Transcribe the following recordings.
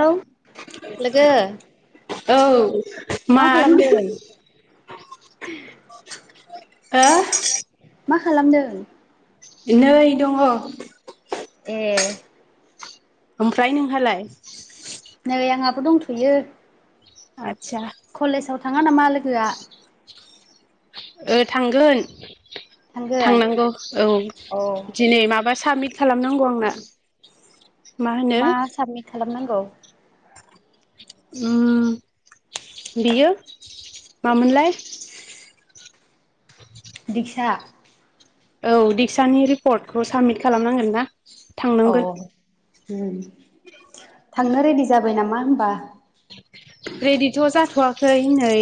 लौ लोगो औ मा खालामदों? [unintelligible] हो मा खालामदों नै दङ ए ओमफ्राय नोंहालाय नै आंहाबो दंथ'यो आतसा कलेजआव थाङा नामा लोगोआ ओ थांगोन थांगोन थांनांगौ औ दिनै माबा साबमिट खालामनांगौ आंना मा होनो साबमिट खालामनांगौ उम बियो मामोनलाय दिक्सा औ दिक्सानि रिपर्टखौ साबमिट खालामनांगोन ना थांनांगोन। ओं थांनो रेडि जाबाय नामा होमबा? रेडिथ' जाथ'वाखै नै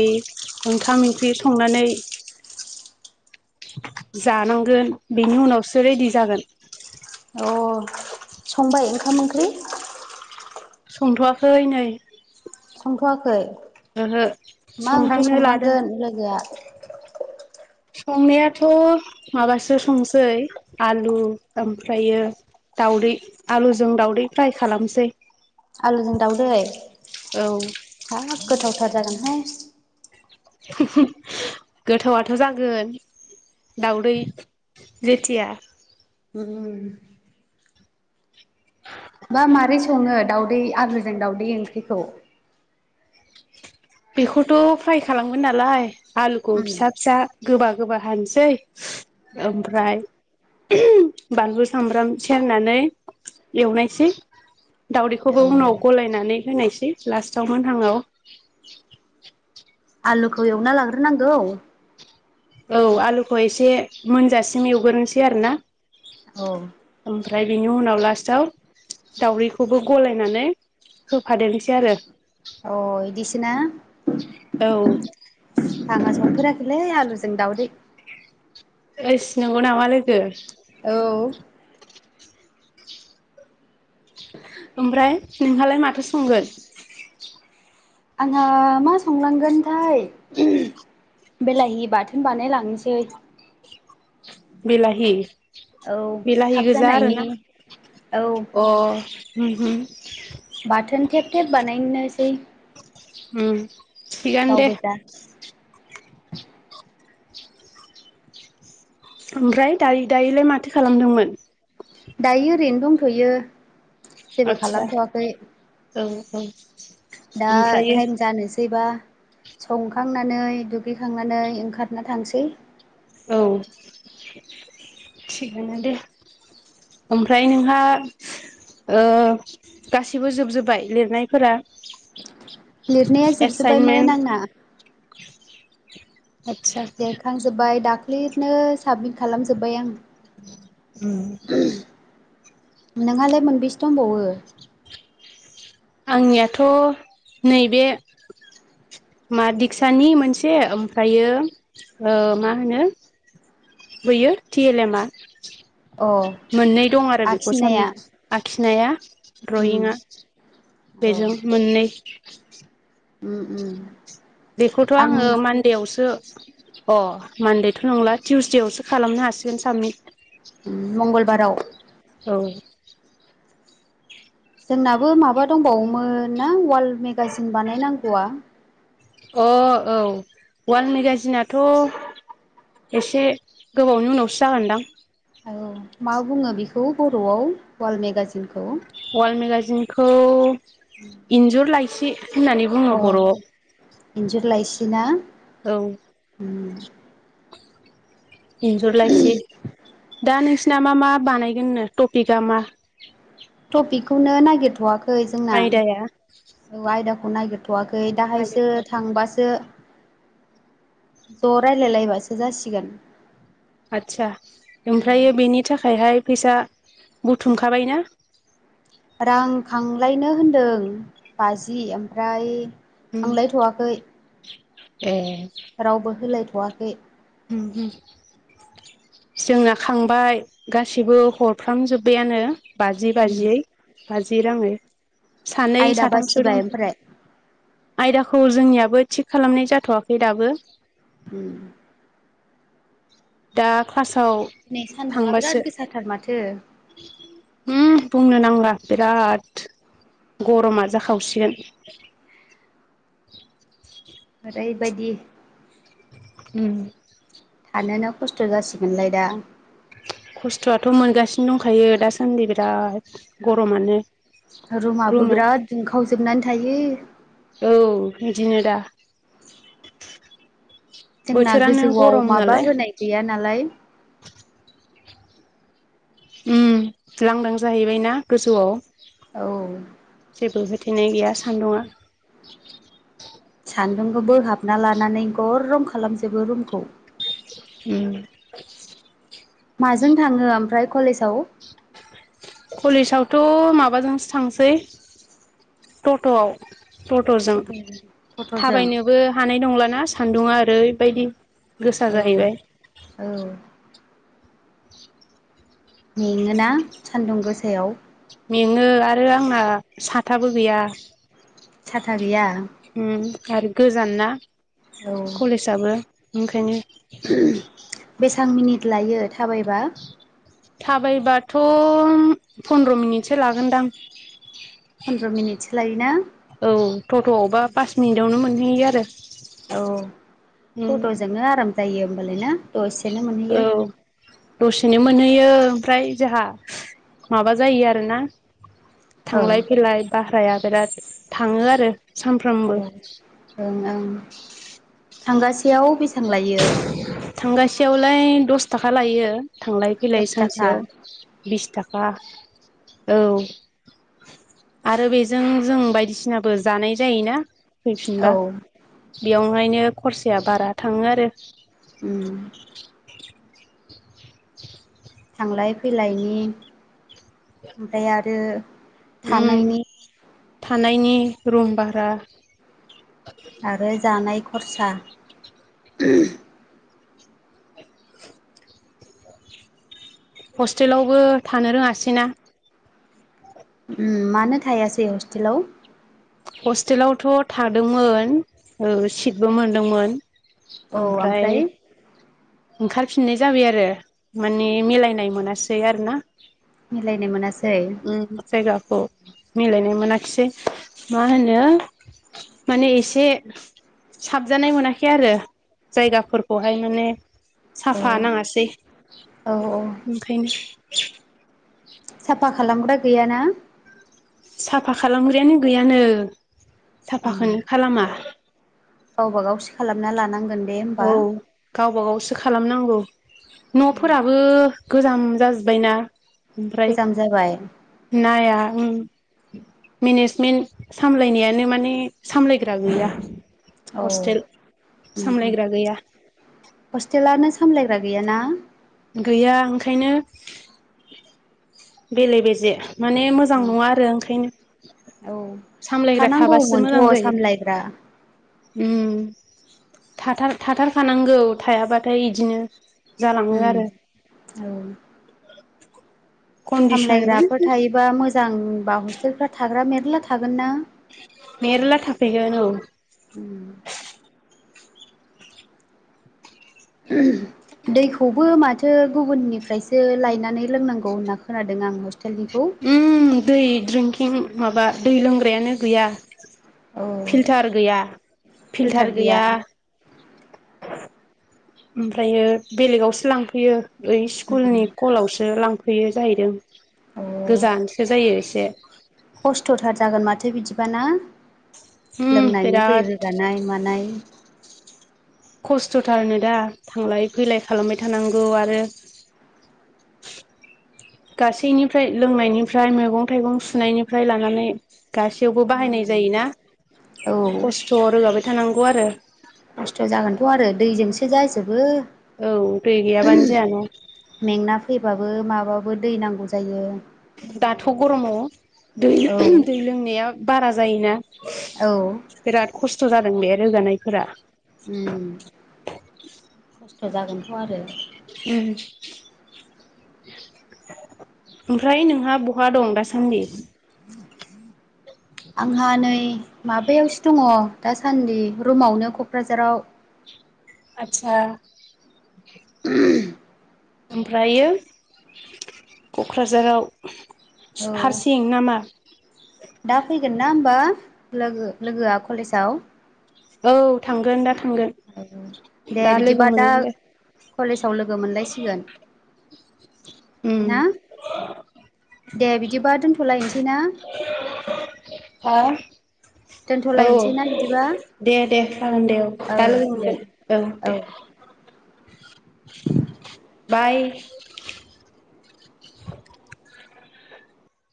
ओंखाम ओंख्रि संनानै जानांगोन बेनि उनावसो रेडि जागोन। अ संबाय ओंखाम ओंख्रि? संथ'वाखै नै संथ'वाखै ओहो मा ओंख्रि संहांनो लादों संलांगोन लोगोआ? संनायाथ' माबासो संसै आलु ओमफ्रायो दाउदै आलुजों दाउदै फ्राय खालामसै। आलुजों दाउदै औ हाब गोथावथार जागोनहाय। [unintelligible] गोथावआथ' जागोन। दावदै जेथिया उम बा माबारै सङो दावदै आलुजों दावदै ओंख्रिखौ? बेखौथ' फ्राय खालामगोन नालाय। आलुखौ उम फिसा फिसा गोबा गोबा हानोसै ओमफ्राय बानलु, सामब्राम सेरनानै एवनायसै दावदैखौबो औ उनाव गलायनानै होनायसै लास्टाव मोनहांङाव। आलुखौ एवना लाग्रोनांगौ औ आलुखौ एसे मोनजासिम एवगोरोसै आरो ना? औ ओमफ्राय बिनि उनाव लास्टाव दावदैखौबो गलायनानै होफादेरनोसै आरो अ इदिसोना? औ लै आलुजों दाउदै। ओइस नंगौ नामा लोगो? औ ओमफ्राय नोंहालाय माथो संगोन? आंहा मा संनांगोनथाय। बेलाहि बाथोन बानायलांनोसै। बिलाहि। औ बिलाहि थाब गोजा आरो जानायनि ना? औ बाथोन थेब थेब बानायनोसै। उम। थिगानो गाव दे गोजा। ओमफ्राय दायो-दायोलाय माथो खालामदोंमोन? दायो ओरैनो दंथ'यो जेबो आदसा खालामथ'वाखै। औ औ दा ओमफ्रायो टाइम जानोसैबा संखांनानै दुगैखांनानै ओंखारना थांसै। औ। थिगानो दे ओमफ्राय नोंहा ओ गासिबो जोबजोब्बाय लिरनायफोरा? लिरनाया जोबजोब्बायमोन एसाइनमेन्ट आंना। आदसा लेरखांजोबबाय दाख्लिनो साबमिट खालामजोब्बाय आं। उम। नोंहालाय मोनबैसो दंबावो? आंनियाथ' नैबे मादिक्सानि मोनसे ओमफ्रायो ओ मा होनो बैयो थि एल एम आ। अ मोननै दं आरो बेखौ आखिनाया साबमिट आखिनाया उम द्रयिंआ बेजों मोननै। उ उ। बेखौथ' आङो मान्डेआवसो अ मान्डेथ' नंला टिउसडेआवसो खालामनो हासिगोन साबमिट। ओम मंगलबाराव। औ। जोंनाबो माबा दंबावोमोन ना वाल मेगाजिन बानायनांगौआ । अ औ वाल मेगाजिनाथ' एसे गोबावनि उनावसो जागोनदां? औ मा बुङो बेखौ बर'आव वाल मेगाजिनखौ? वाल मेगाजिनखौ इन्जुर लाइसि होननानै बुङो अ बर'आव। इन्जुर लाइसि ना? औ। उम इन्जुरलायसि दा नोंसिना मा मा बानायगोननो टपिकआ मा? टपिकखौनो नागिरथ'वाखै जोंना आयदाया औ आयदाखौ नागिरथ' वाखै दाहायसो नागिरथ'वाखै थांबासो ज' रायलायलायबासो जासिगोन। आदसा उम ओमफ्रायो बेनि थाखायहाय फैसा बुथुमखाबायना? रां खांलायनो होनदों बाजि ओमफ्राय खांलायथ'वाखै ए। रावबो होलायथ'वाखै। उ [unintelligible] जोंना खांबाय गासिबो हरफ्रामजोब्बायानो । बाजि बाजियै बाजि राङै, सानै आयदा साथामसो बासिबाय दं। ओमफ्राय आयदाखौ जोंनियाबो थिग खालामनाय जाथ'वाखै दाबो। उम दा क्लासाव दिनै सान्दुङा बिराद थांबासो, गोसाथार माथो हुम बुंनो नांग [unintelligible] बिराद गरमा जाखावसिगोन। ओरैबायदि उम थानोनो खस्थ' जासिगोनलाय दा। खस्थ'आथ' मोनगासिनो दंखायो दासान्दि बिराद गरमानो। रुमाबो रुमा बिराद दुंखावजोबनानै थायो। औ बिदिनो दा। जोंना बोथोरानो गोजौआव गरम माबा नालाय होनाय गैया नालाय, उम लांदां जाहैबायना गोजौआव, औ दिनै गैया सान्दुंङा, सान्दुंखौ बोहाबना लानानै गरम खालामजोबो रुमखौ, उम, माजों थाङो ओमफ्राय कलेजाव? कलेजावथ' माबाजोंसो थांसै टट'आव, टट'जों टट'जों थाबायनोबो हानाय नंलाना सान्दुङा ओरैबायदि, गोसा औ जाहैबाय, औ मेङोना सान्दुं गोसायाव? मेङो आरो आंना साथाबो गैया। साथा गैया? ओम आरो गोजान ना कलेजआबो ओंखायनो। बेसां मिनिट लायो थाबायबा? थाबायबाथ'‌ फन्द्र मिनिटसो लागोनदां! फन्द्र' मिनिटसो लायोना? औ टट'आवबा पास मिनिटावनो मोनहैयो आरो। औ उम टट'जोंनो आराम जायो होमबालाय ना? दसे दसेनो औ मोनानैयो। दसेनो मोनहैयो ओमफ्राय जोंहा माबा जायो। आरोना? औ थांलाय फैलाय भाराया बिराद थाङो आरो औ सानफ्रामबो। ओं ओं थांगासेयाव बेसेबां लायो? थांगासेयावलाय दस थाखा लायो थांलाय फैलाय दस थाखा सानसेयाव बिस थाखा। औ। आरो बेजों जों बायदिसिनाबो जानाय जायोना? फैफिनबा। औ बेयावहायनो खरसाया बारा थाङो आरो ओम। थांलाय फैलायनि ओमफ्राय आरो उम थानायनि थानायनि रुम भारा। आरो जानाय खरसा। हस्टेलावबो थानो रोङासै ना। मानो थायासै हस्टेलाव? हस्टेलावथ' थादोंमोन ओ सिटबो मोनदोंमोन। औ ओमफ्राय? ओंखारफिननाय जाबाय आरो माने मिलायनाय मोनासै। आरो ना? मिलायनो मोनासै? अ मिलायनाय मोनाखिसै। मा होनो माने एसे साबजानाय मोनाखै आरो जायगाफोरखौहाय माने साफा औ नाङासै औ ओंखायनो। साफा खालामग्रा गैयाना? साफा खालामग्रायानो गैयानो साफाखोनो खालामा। गावबा गावसो खालामना लानांगोन बे होमबा? सो खालामनांगौ। न'फोराबो गोजाम जाजोब बायना। ओमफ्राय गोजाम जाबाय नाया उम मेनेजमेन्ट सामलायनायानो माने सामलायग्रा गैया। औ। ओम-ओम। एया। लानो सामलायग्रा गैयाना? गैया ओंखायनो बेले-बेजे। माने मोजां नङा आरो ओंखायनो। औ सामलायग्रा थाबासो थानांगौमोनथ' मोजां जायो। सामलायग्रा उम। थाथार-थाथारखानांगौ थायाबाथाय इदिनो। जालाङो उम आरो औ। कन्डिसनमोन सामलायग्राफोर थायोबा मोजांबा हस्टेलफ्रा थाग्रा मेरला था गोनना मेरला थाफैगोन औ उम [unintelligible] दैखौबो माथो गुबुननिफ्रायसो लायनानै लोंनांगौ होनना खोनादों आं हस्ट उम दै ड्रिंकिं माबा दै लोंग्रायानो गैया। औ फिल्टार गैया फिल्टार गैया। ओमफ्रायो बेलेगावसो लांफैयो ओइ स्कुलनि कलावसो लांफ फैयो जाहैदों औ गोजानसो जायो एसे। थो बिदिबाना उम लोंनायनि दै बिराद रोगानाय मानाय खस्थ'थारनो दा थांलाय फैलाय खालामबाय थानांगौ आरो [inaudible] गासैनिफ्राय लोंनायनिफ्राय मैगं थाइगं सुनायनिफ्राय लानानै गासैयावबो बाहायनाय जायोना औ खस्थ' रोगाबाय थानांगौ आरो। खस्थ' जागोनथ' आरो [unintelligible] औ दै गैयाबानो जायाना। मेंना फैबाबो माबाबो दै नांगौ जायो, दाथ' गरमाव औ दै- दै लोंनाया बारा जायोना। औ बिराद खस्थ' जादों बे रोगानायफोरा उम खस्थ' जागोनथ' आरो। उम ओमफ्राय नोंहा बहा दं दासान्दि? आंहा नै माबायावसो दङ दासान्दि रुमावनो क'क्राझाराव। आतसा। [unintelligible] ओमफ्रायो क'क्राझाराव औ हारसिं नामा? दा फैगोन ना होमबा लोगो-लोगोआ कलेजाव? औ थांगोन दा था गोन औ दे दा बिदिबा लोगो दा मोनगोन दे। कलेजाव लोगो मोनलायसिगोन उम। ना दे बिदिबा दोनथ'लायनोसै ना। हा [inaudible] औ दोनथ'लायनोसै ना बिदिबा? दे दे जागोन दे औ दा लोगो दे मोनगोन औ दे [inaudible] बाय